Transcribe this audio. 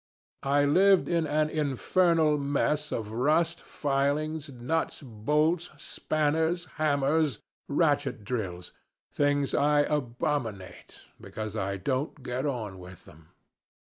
I lived in an infernal mess of rust, filings, nuts, bolts, spanners, hammers, ratchet drills things I abominate, because I don't get on with them.